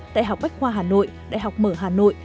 đại học bách khoa hà nội đại học mở hà nội